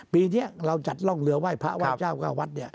ปีนี้เราจัดร่องเรือไหว้พระไหว้เจ้าเก้าวัดเนี่ย